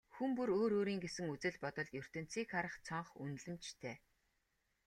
Хүн бүр өөр өөрийн гэсэн үзэл бодол, ертөнцийг харах цонх, үнэлэмжтэй.